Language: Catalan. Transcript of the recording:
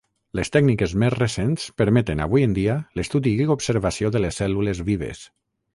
Les tècniques més recents permeten, avui en dia, l'estudi i observació de les cèl·lules vives.